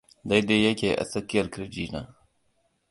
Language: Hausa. daidai yake a tsakiyar kirji na